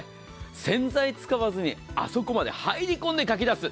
洗剤使わずにあそこまで入り込んでかき出す。